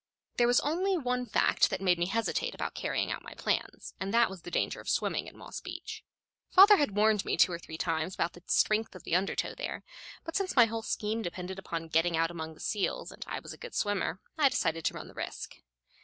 There was only one fact that made me hesitate about carrying out my plans, and that was the danger of swimming at Moss Beach. Father had warned me two or three times about the strength of the undertow there; but since my whole scheme depended upon getting out among the seals, and I was a good swimmer, I decided to run the risk.